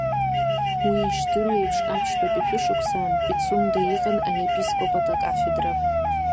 Уи, ишдыру еиԥш, аԥшьбатәи ашәышықәсаан, Пицунда иҟан аепископат кафедра.